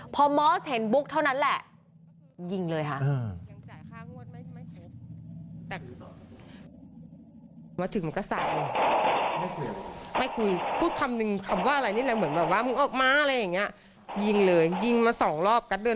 พอมอสเห็นบุ๊กเท่านั้นแหละยิงเลยค่ะ